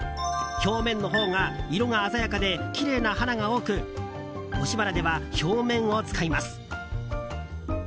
表面のほうが色が鮮やかできれいな花が多く押し花では表面を使います。